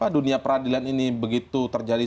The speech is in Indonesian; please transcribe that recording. dunia peradilan ini begitu terjadi